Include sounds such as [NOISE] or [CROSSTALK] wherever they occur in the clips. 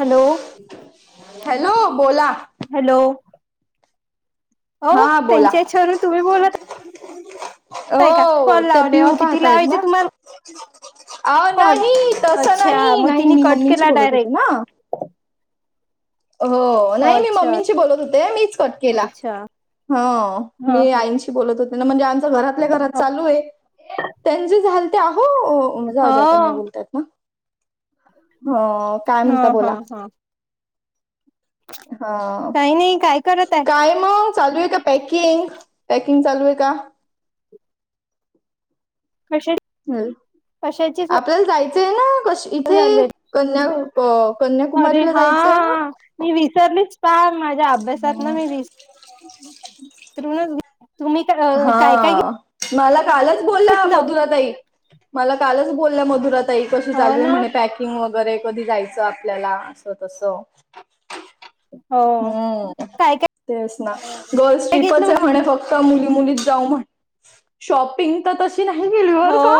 Hello hello बोला. Hello हो हा बोला त्यांच्या याच्यावरून तुम्ही बोलत आहे का हो कॉल त्या लावले अ पिऊू किती पाहताय लावायचे ना तुम्हाला अ कॉल नाही तस अच्छा नाही मग नाही तिने मी कट मम्मींशी केला बोलत होते डायरेक्ट ना हो नाही मी अच्छा मम्मींशी बोलत होते मीच कट केला अच्छा ह हा मी हा आईची म्हणजे आमच घरातल्या घरात चालू आहे त्यांची झालती अहो- जाऊ द्या आता नाही हो बोलतात ना ह. ह ह ह. ह. काही नाही काय करत आहे काय? मग चालूये का पॅकिंग. पॅकिंग चालू आहे का? कसे हम्म. कशाची आपल्याला जायचंय ना कशी इथे चालू कन्या अरे कन्याकुमारीला हा जायचंय ना. मी विसरलीच पहा. अभ्यासात हो. तर तुम्ही. हा काय काय मला कालच बोलंल घेतलं मधुराताई. मला कालच बोलल्या मधुराताई कशी हो चालू आहे ना म्हणे पॅक किंग वगैरे कधी जायचं आपल्याला असं तसं. हो हम्म काय काय. तेच ना गर्ल्स ट्रीपच घेतलं आहे म्हणे फक्त मुली मुलीच जाऊ म्हण शॉपिंग तर तशी नाही गेली होर हो का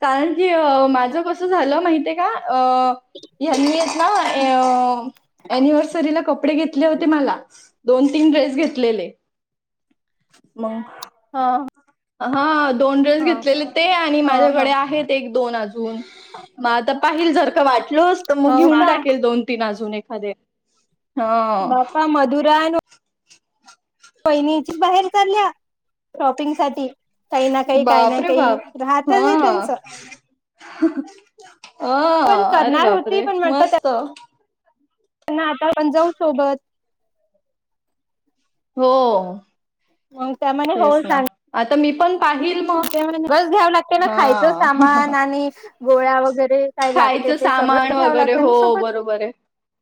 कारण की माझं कसं झालं माहिती आहे का? अ ना अनिव्हर्सरी क कपडे घेतले होते मला दोन तीन ड्रेस घेतलेले. मग हा. हा दोन ड्रेस घेतलेले ते. आणि ह ह माझ्याकडे आहेत. एक दोन अजून. म आता पाहिल जरका वाटलंस. तर मग हो घेऊन का टाकेल दोन तीन अजून, एखादे. हा बापा मधुरा न वहिणीची बाहेर चालल्या. शॉपिंग साठी. काही ना काही, काही ना बापरे काही, बाप राहतच बाई हा त्यांचं. अ. पण अरे करणार होती बापरे. मस्त. त्यानं आता पंण जाऊ सोबत. हो. मग त्याम तेच ना. आता मी पण पाहिल मग गज घ्यावं लागते ना. खायचं हा सामान आणि गोळ्या वगैरे. काय लागते खायचं ते सामान सगळं घ्यावं वगैरे. लागतं ना हो सोबत बरोबरे.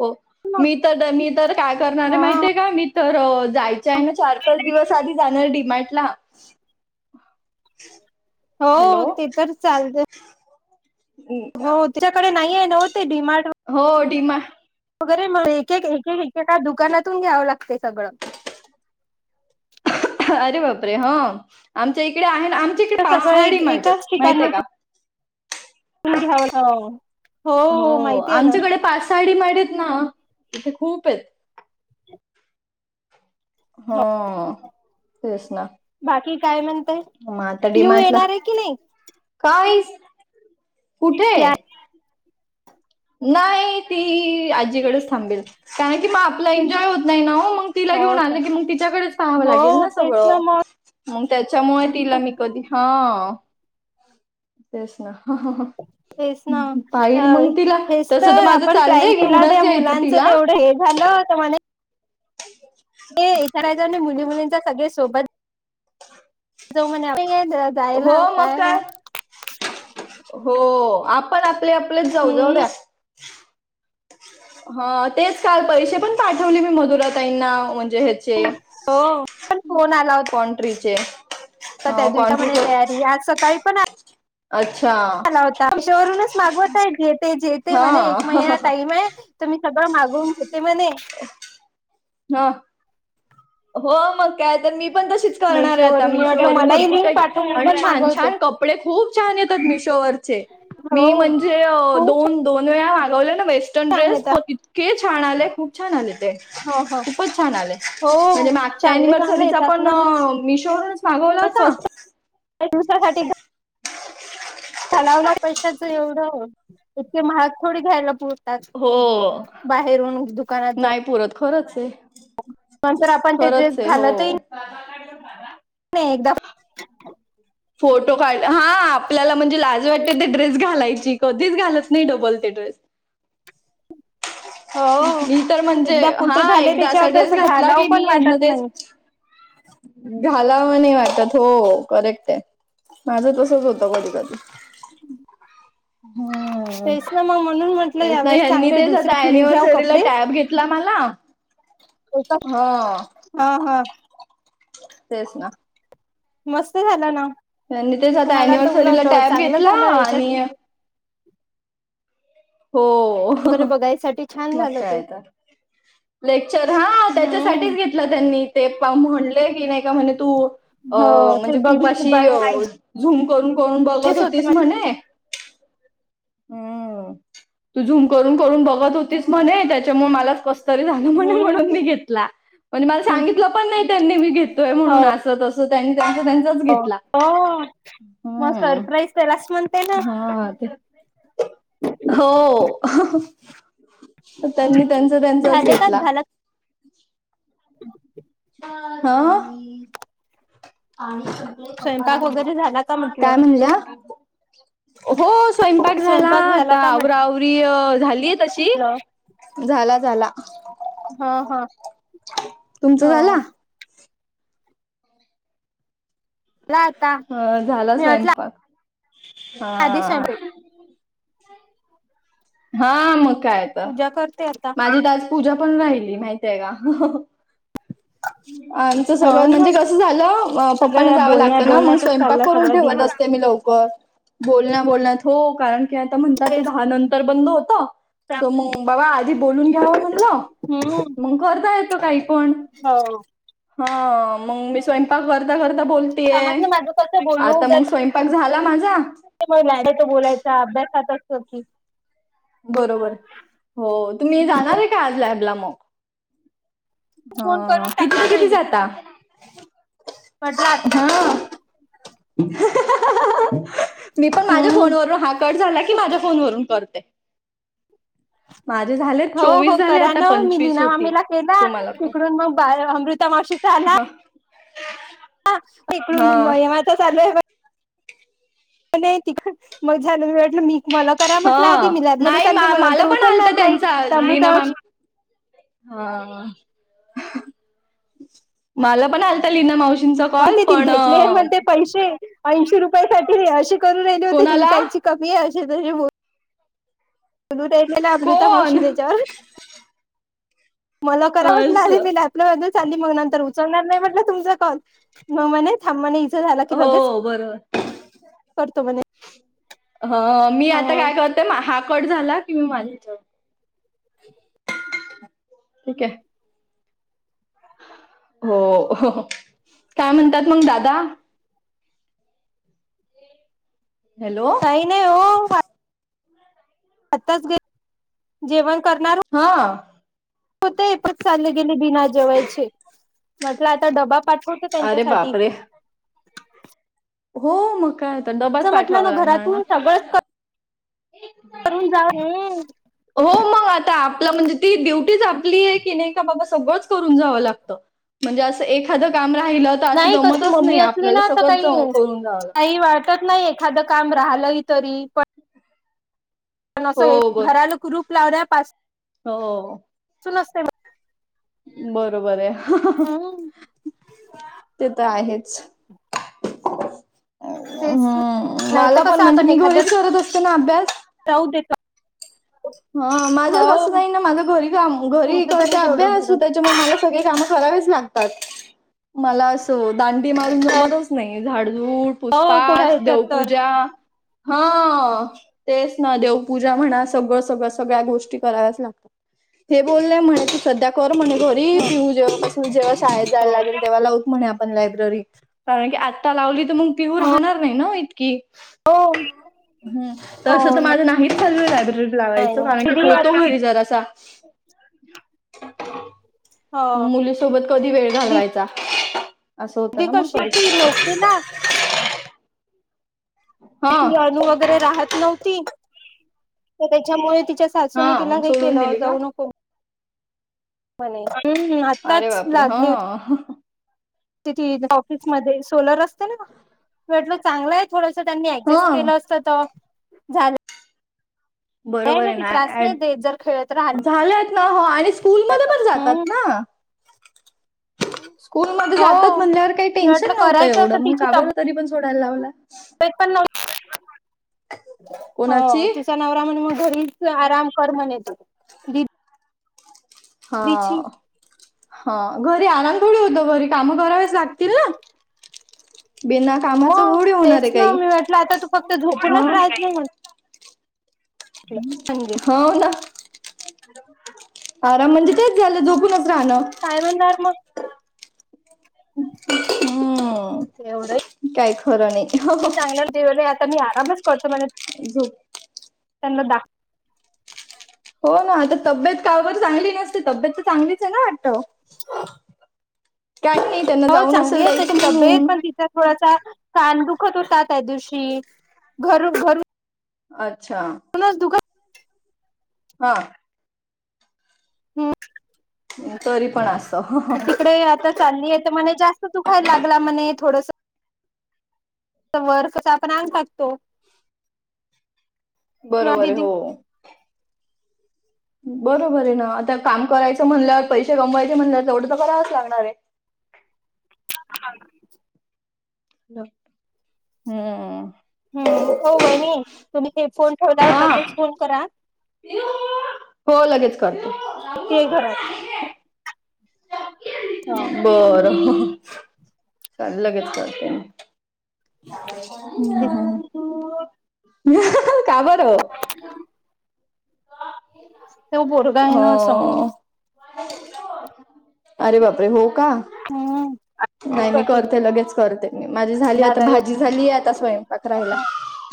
हो. मग मी त मी तर काय करणारे हा. माहिते का? मी तर जायच्याय ना, चार पाच दिवस आधी डी मार्टला. हो. ते तर चालत. हो. तुच्याकडे नाहीय नव ते डिमार्ट हो डीमार्ट वगैरे. म्ह ते एक एक एकेएका दुकानातून, घ्यावं लागते सगळं. अरे बापरे. ह. आमच्या इकडे आहे ना. आमच्या इकडे सगळं पाचसाहा एक डीमार्टे एकाच माहिते ठिकाणून का? हो, हो माहितीये ना. साडी माडीत ना, तथे खूपेत. ह. तेच ना. बाकी काय म्हणतय? मग पीयू येणारे की नाही. काय? कुठे. नाही. ती आज्जीकडेच थांबेल. कारण की मग आपलं एन्जॉय होत नाही ना हो. मग तिला हो घेऊन का आलं की मग, तिच्याकडेच पाहावं लागेल हो ना तेच सगळं. मग मग त्याच्यामुळे तिला मी कधी, हं. तेच ना. ह. ह. तेच ना ह. अ पाईल मंग तिला. हेच तसं त तर माझं आपण प्लॅन चाललंय, केला त्या घेऊनच यायचं मुलांचं तिला. तेवढं हे झालं होत म्हणे [INAUDIBLE] ते इथे राहायचं आणि मुली मुलींच सगळे सोबत जाऊ म्हणे [UNINTELLIGIBLE] हो मग काय हो आप पण आपले आपले जाऊ हम्म जाऊद्या ह तेच काल पैसे पण पाठवले मी मधुराताईंना म्हणजे हे चे हो पण कॉन्ट्रीचे तर त्या अ दिवसा म्हणे कॉन्ट्रीचे तयारी आज सकाळी पण अच्छा मीशोवरूनच मागवत आहे घेते जेते म्हणे एक हा महिना टाईम आहे तुम्ही सगळं मागवून घेते म्हणे हा हो मग काय तर मी पण तशीच करणार मेशो आहे आता वरून मी म्हटलं मीशोवरून मलाही भरपूर लिंक काही पाठव मी आणि पण छान मागवते छान कप कपडे खूप छान येतात मिशोवरचे हो मी म्हणजे खूप दोन दोन वेळा मागवले ना बेस्ट छान ड्रेस पण येतात इतके छान आले खूप छान आले ते हो हो खूपच छान आले. म्हणजे हो मागच्या चांगले चांगले एनिवर्सरीचा पण मिशोवरुनच [UNINTELLIGIBLE] दुसऱ्यासाठी चलावला पैशाच एवढं इतके महाग थोडी घ्यायला पण हो बाहेरून दुकानात जाऊन खरच आहे नंतर आपण ते ड्रेस खरंच आहे हो. घालतही नाही एकदा फोटो काढ हा आपल्याला म्हणजे लाज वाटते ते ड्रेस घालायची कधीच घालत नाही डबल ते ड्रेस. हो मी तर म्हणजे एकदा हा कुठं झाले एकदा असा त्याच्यावर ड्रेस तसं घातला घालावं की मी पण वाटत यामध्येच नाही घालाव नाही वाटत हो करेक्ट आहे. माझं तसच होतं कधी कधी. हम्म तेच ना मग म्हणून म्हटलं तेच ना यावेळेस यांनी चांगले तेच दुसरे आता घेऊन घ्याव एनिव्हर्सरीला कपडे टॅब घेतला मला हा हा हा. तेच ना मस्त झालं ना त्यांनी तेच आता तुम्हाला तर अनिव्हर्सरीला उलट टॅब चांगलं घेतला झालं आणि याच्यात हो. वगैरे बघायसाठी छान मग झालं ते काय तर लेक्चर हा हम्म त्याच्यासाठीच घेत ला त्यांनी ते पा म्हणले की नाही का म्हणे तू अ हो ते म्हणजे खूप बघितलं अशी पाहिजेच झूम करून करून बघत होत होतीस म्हणे हम्म तू झूम करून करून बघत होतीस म्हणे त्याच्यामुळे मलाच कस तरी नाही हम्म म्हणून मी घेतला पण मला सांगितल पण नाही त्यांनी मी घेतोय हो म्हणून असं तसं तो त्यांनी त्यांचा त्यांचाच हो घेतला हम्म ते लास्ट मंथ हा ते हो त्यांनी त्यांचा त्यांचाच झाले का घेतला. झाला हा आणि स्वयंपाक वगैरे झाला का म्हटलं काय म्हणल्या? हो स्वयंपाक झाला, स्वयंपाक झाला आता आवरा आवरी झालीय तशी हॅलो. झाला झाला. हा हा तुमचा झाला हा. आता ह झाला मी म्हटलं स्वयंपाक आधी हा. स्वयंपाक हा मग काय आता पूजा करते आता माझी तर आज पूजा पण राहिली माहितीय का. आमच सगळं हो ना म्हणजे कसं झालं पप्पांना सगळ्या जावं बोलण्या लागतं ना मग बोलण्यातच चालला स्वयंपाक करून सगळा ठेवत अस दिवस. ते मी लवकर बोलण्या बोलण्यात हो कारण की आता म्हणतात ते दहा नंतर बंद होत. सो मग बघा आधी बोलून घ्यावं म्हणल हम्म मग करता येतो काही पण. हो. हा मग मी स्वयंपाक करता करता बोलतीय कामातलं माझं कसं बोलणं होऊन आता मग जातं स्वयं पाक झाला माझा. बोलायचा अभ्यासातच की बरोबर हो, तुम्ही जाणार आहे काय आज लॅबला मग? ह फोन करून किती ते टाकून किती राहिली जाता? म्हटलं आता हा. मी पण माझ्या हम्म. फोनवरून हा कट झाला की माझ्या फोनवरून करते. माझे झाले हो हो चोवीस झाले करा आता ना मी पंचवीस लीना होतील मामीला केला तुम्हाला पण तिकडून मग बाळा अमृता मावशीचा आला हा इकडून हा मयमाच चालू आहे नाही तिकड मग झाल वाटलं मी मला करा म्हटलं आधी हा मी लॅबमध्ये नाही चाली मग मला नंतर पण आलत उचलणार नाही त्यांचा तर अमृता लीना मॅम मावशी हा हा मला पण आल लीना मावशींचा कॉल म्हणते ती पण भेटले म्हणते पैसे ऐंशी रुपयासाठी अशी करून राहिली होती तिला कोणाला कायची कमी आहे अशी तशी [UNINTELLIGIBLE] अमृता कोण मावशी त्याच्यावर मला करा अस वाटलं [UNINTELLIGIBLE] [UNINTELLIGIBLE] चाली मग नंतर उचलणार नाही म्हटलं तुमचा कॉल मग म्हणे थांबा ना हीचा झाला की लगेच हो बरोबर करतो म्हणे ह मी आता हो काय करत हा कट झाला कि मी माझ्या [UNINTELLIGIBLE] ठीक आहे हो काय म्हणतात मग दादा हॅलो काही नाही ओ आताच घे जेवण करणार हा होतय पण चालले गेले बिना जेवायचे म्हटलं आता डबा पाठवत अरे त्यांच्यासाठी बापरे हो मग काय आता डबाच असं म्हटलं पाठवावा लागणार ना घरातून सगळंच करून जा रे हो मग आता आपलं म्हणजे ती ड्युटीच आपली आहे की नाही का बाबा सगळंच करून जावं लागतं म्हणजे असं एखादं काम राहिलं तर असं नाही कशी जमतच मम्मी नाही असली आपल्याला ना तर सगळं काही करून जावं लागत काही वाटत नाही एखाद काम राहिलं तरी पण पण असंय हो बर घराला कुलूप लावण्यापास हो सुन असते मग बरोबर आहे हम्म ते तर आहेच तेच हम्म नाही तर मला पण कसं म्हणजे मी घरीच करत असते ना अभ्यास जाऊ दे का हा माझ अस नाही ना माझ घरी काम घरी तुमचं करते तरी तेवढं अभ्यास बरं त्याच्यामुळे मला सगळे काम करावेच लागतात मला असं दांडी मारून जमतच नाही झाडझुड हो कोण पूसपास ह्याच्यात तर देवपूजा हा तेच ना देवपूजा म्हणा सगळं सगळ सगळ्या गोष्टी कराव्याच लागतात हे बोले म्हणे सध्या कर म्हणे घरी हो पिऊ जेव्हा पासून जेव्हा शाळेत जायला हो लागेल तेव्हा लावूत म्हणे आपण लायब्ररी. कारण की आत्ता लावली तर मग पिऊ राहणार नाही ना ओ इतकी. हो हम्म हो तसं तर माझं नाहीच चालुये लायब्ररी. लावायच नाही कारण की दिदी होतो आता घरी जरासा. हो मग मुलीसोबत कधी वेळ दि घालवायचा. असं होत दिदी ना मग कशी परी होती नोकरीला [UNINTELLIGIBLE] हा ती अणू वगैरे राहत नव्हती तर त्याच्यामुळे तिच्या सासूने हा तिला मग हे सोडून केलं दिली का? जाऊ नको. म्हणे. [UNINTELLIGIBLE] अरे बापरे हा. तिथ ऑफिसमध्ये सोलर असते ना वाटलं चांगलं आहे थोडसं त्यांनी ऍडजेस्ट हं केलं अस. तवा झालं. बरोबर आहे ना त्रास अ नाही देत जर खेळत राहिला झालं. हा हो आणि स्कूलमध्ये तर. पण हम्म जातात ना. स्कूल मध्थे जातात हो मी म्हणल्यावर काही टेन्शन वाटलं नव्हतं करायचं एवढं असं मग तिची का बरं तब्येत तरी पण सोडायला लावला. कोणाची? [UNINTELLIGIBLE] नवरा म मग घरीच आराम कर म्हण येतो. दिदीची हा. हा घरी आराम थोड होत घरी कामं करावेस लागतील ना. बिना कामाच मग होडी होणार आहे तेच ना काही मी म्हटलं आता तू फक्त झोपूनच अं राहत नाही म्हटलं म्हणजे होा ना आराम म्हणजे तेच झालं झोपून. झालं. काय म्हण मग. हम्. एवढं काही खरं नाही. चांगलं आता मी आरामच करतो म्ह झोप त्यांना दाखव. हो ना आता तब्येत काबरी चांगली नसते तब्येत तर चांगलीच आहे ना वाटत. काही नाही त्यांना हो जाऊन चांगली असेल आहे द्यायचं तशी तब्येत म्हणून. पण तिचा कान दुखत होता त्या दिवशी अच्छा. ु [UNINTELLIGIBLE] हा. हम् तरी पण असं तिकडे आता. जास्त दुखायला लागला मण्हे थोड वर कस आपण अंग खाकतो. किंवा बरोबर आहे दिदी हो. बरोबर आहे ना आता काम करायचं म्हणल्यावर पैसे कमवायचे म्हणल्यावर तेवढं तर करावच लागणार आहे. ह. हम्म. हम्म हो बहिणी तुम्ही हे फोन ठेवल्यावर हा लगेच फोन करा. हो लगेच करते. एकटी आहे घरात. ह. बरं चाल लगेच करते. म का बर हो. तो पोरगा आहे हो. ना समोर अरे बापरे हो का हम्म नाही मी करते लगेच करते मी माझी झाली आता दादा भाजी झालीय आता स्वयंपाक राहायला.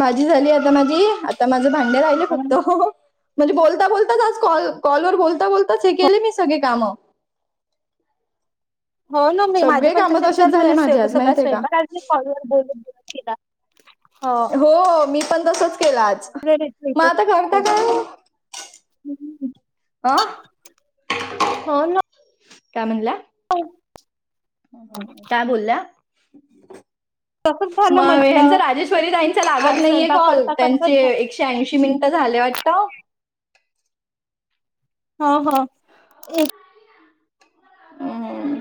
भाजी झाली आता माझी आता माझं भांड्या राहिले फक्त म्हणजे बोलता बोलताच आज कॉल कॉलवर बोलता बोलताच हे केले मी सगळे कामं हो ना मी माझे सगळे पण कामं तसेच चालू झाले आहे माझे आज सकाळी माहितीये का स्वयंपा बोल हो हो मी पण तसंच केलं आज मता करता का ह हा काय म्हणला हो काय बोलल्या तसच झालं म म्हंटलं राजेशवर ताई लागत आज नाही स्वयंपाक कल करता करताच झालं श्याऐंशी मिनिटं झाले वाटतं हो हो हम्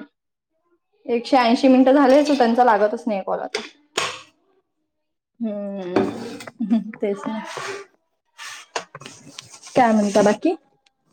एकशे ऐंशी मिनिटं झाले तू त्यांचा लागतच नाही कॉल तर हम्म तेच आहे काय मिनता बाकी